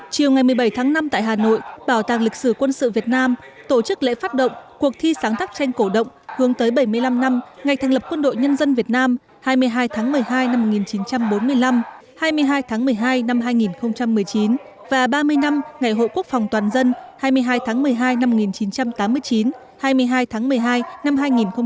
chiều ngày một mươi bảy tháng năm tại hà nội bảo tàng lịch sử quân sự việt nam tổ chức lễ phát động cuộc thi sáng tác tranh cổ động hướng tới bảy mươi năm năm ngày thành lập quân đội nhân dân việt nam hai mươi hai tháng một mươi hai năm một nghìn chín trăm bốn mươi năm hai mươi hai tháng một mươi hai năm hai nghìn một mươi chín và ba mươi năm ngày hộ quốc phòng toàn dân hai mươi hai tháng một mươi hai năm một nghìn chín trăm tám mươi chín hai mươi hai tháng một mươi hai năm hai nghìn một mươi chín